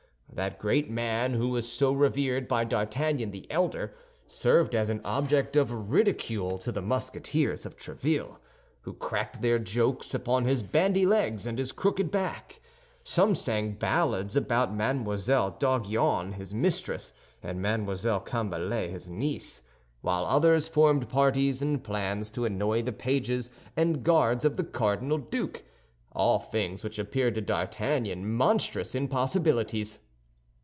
That great man who was so revered by D'Artagnan the elder served as an object of ridicule to the Musketeers of Tréville, who cracked their jokes upon his bandy legs and his crooked back. Some sang ballads about Mme. d'Aguillon, his mistress, and Mme. Cambalet, his niece; while others formed parties and plans to annoy the pages and guards of the cardinal duke—all things which appeared to D'Artagnan monstrous impossibilities.